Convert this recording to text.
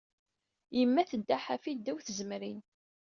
Yemma tedda ḥafi ddaw tzemrin.